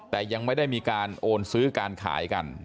แต่ยังไม่ได้มีการโอนซื้อการขายกัน